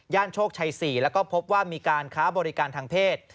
โชคชัย๔แล้วก็พบว่ามีการค้าบริการทางเพศ